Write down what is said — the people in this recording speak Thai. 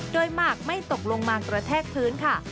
โดยหมากไม่ตกลงมากระแทกพื้นค่ะ